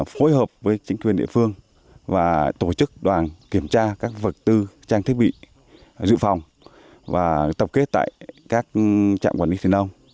phối hợp với chính quyền địa phương và tổ chức đoàn kiểm tra các vật tư trang thiết bị dự phòng và tập kết tại các trạm quản lý thiên đông